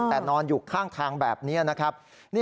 แต่นอนอยู่ข้างทางแบบนี้นะครับ